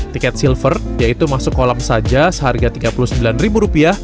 tiket silver yaitu masuk kolam saja seharga rp tiga puluh sembilan